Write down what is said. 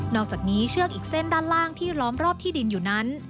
อกจากนี้เชือกอีกเส้นด้านล่างที่ล้อมรอบที่ดินอยู่นั้น